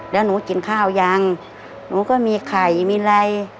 แล้วหนูกินข้าวยังหนูก็มีไข่มีอะไร